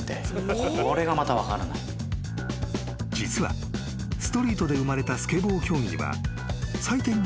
［実はストリートで生まれたスケボー競技には］